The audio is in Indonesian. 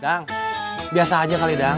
adang biasa saja kali adang